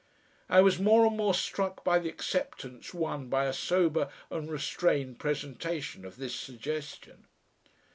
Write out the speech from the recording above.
I was more and more struck by the acceptance won by a sober and restrained presentation of this suggestion.